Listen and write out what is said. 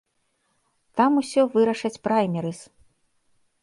Там усё вырашаць праймерыз.